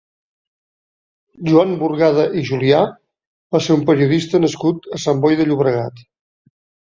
Joan Burgada i Julià va ser un periodista nascut a Sant Boi de Llobregat.